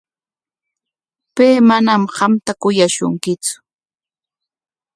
Pay manam qamta kuyashunkitsu.